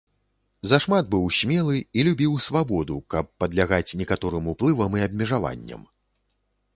Зашмат быў смелы і любіў свабоду, каб падлягаць некаторым уплывам і абмежаванням.